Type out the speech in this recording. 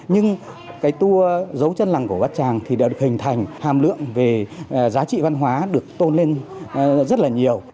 nhưng cái tour dấu chân làng cổ bát tràng thì đã được hình thành hàm lượng về giá trị văn hóa được tôn lên rất là nhiều